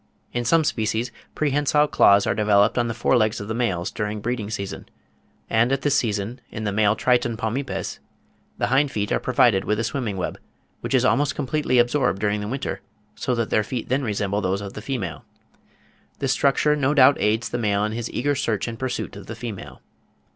In some species prehensile claws are developed on the fore legs of the males during the breeding season: and at this season in the male Triton palmipes the hind feet are provided with a swimming web, which is almost completely absorbed during the winter; so that their feet then resemble those of the female. (43. Bell, 'History of British Reptiles,' 2nd ed., 1849, pp. 156 159.) This structure no doubt aids the male in his eager search and pursuit of the female.